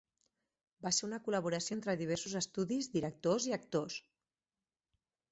Va ser una col·laboració entre diversos estudis, directors i actors.